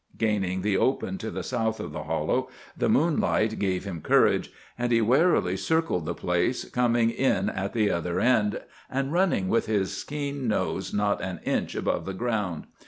Gaining the open to the south of the hollow, the moonlight gave him courage, and he warily circled the place, coming in at the other end and running with his keen nose not an inch above the ground.